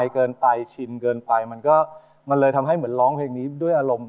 เกินไปชินเกินไปมันก็มันเลยทำให้เหมือนร้องเพลงนี้ด้วยอารมณ์